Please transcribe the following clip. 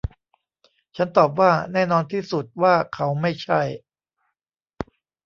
ฉันตอบว่า แน่นอนที่สุดว่าเขาไม่ใช่